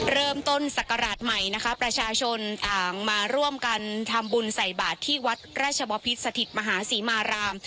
เริ่มต้นศักราชใหม่นะคะประชาชนอ่างมาร่วมกันทำบุญใส่บาทที่วัดราชบพิษสถิตมหาศรีมาราม